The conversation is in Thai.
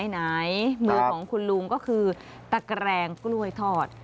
ไหนมือของคุณลุงก็คือตะแกรงกล้วยทอด